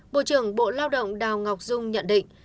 bộ trưởng bộ lao động đào ngọc dung nhận định